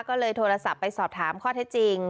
ก็เลยโทรศัพท์ไปสอบถามข้อเท็จจริง